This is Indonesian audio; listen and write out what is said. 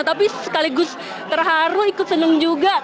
tapi sekaligus terharu ikut senang juga